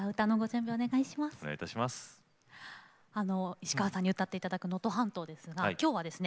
石川さんに歌っていただく「能登半島」ですが今日はですね